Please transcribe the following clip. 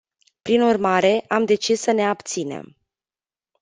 Prin urmare, am decis să ne abținem.